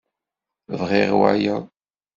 Bɣiɣ wayeḍ.